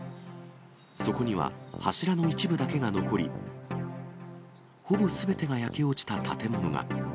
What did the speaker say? そこには柱の一部だけが残り、ほぼすべてが焼け落ちた建物が。